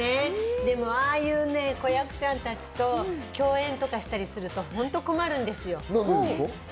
でも、ああいう子役ちゃんたちと共演とかしたりすると本当に困るんですよ。